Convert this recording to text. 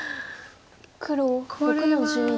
黒６の十一。